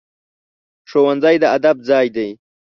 ښوونځی د ادب ځای دی